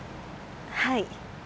はい。